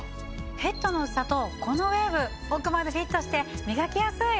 ヘッドの薄さとこのウェーブ奥までフィットして磨きやすい！